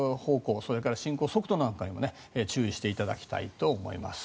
それから進行速度にも注意していただきたいと思います。